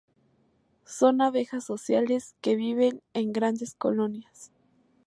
Son abejas sociales, que viven en grandes colonias.